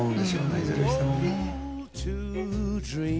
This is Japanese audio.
いずれにしても。